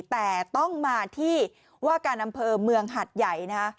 แต่ต้องมาที่ว่าการอำเภอเมืองหัดใหญ่นะฮะ